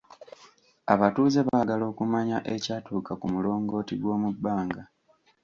Abatuuze baagala okumanya ekyatuuka ku mulongooti gwomu bbanga.